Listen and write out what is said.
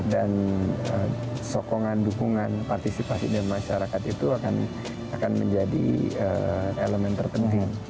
dan sokongan dukungan partisipasi dari masyarakat itu akan menjadi elemen terpenting